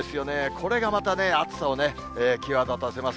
これがまたね、暑さを際立たせます。